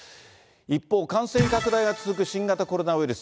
一方、感染拡大が続く新型コロナウイルス。